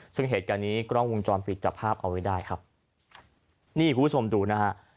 ซึ่งเหตุการณ์นี้กล้องวงจรปิดจับภาพเอาไว้ได้ครับนี่คุณผู้ชมดูนะฮะ